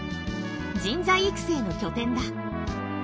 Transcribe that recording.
人材育成の拠点だ。